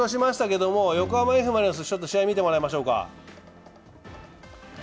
去年も優勝しましたけど、横浜Ｆ・マリノスのちょっと試合見てもらいましょうか。